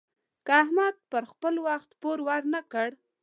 که احمد پر وخت پور ورنه کړ.